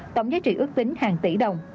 tổng giá trị ước tính hàng tỷ đồng